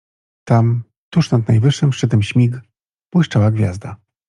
Tam, tuż nad najwyższym szczytem śmig, błyszczała gwiazda.